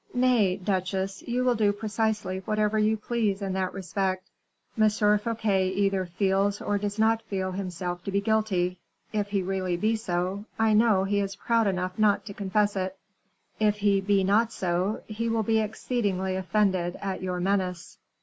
"Nay, duchesse, you will do precisely whatever you please in that respect. M. Fouquet either feels or does not feel himself to be guilty; if he really be so, I know he is proud enough not to confess it; if he be not so, he will be exceedingly offended at your menace."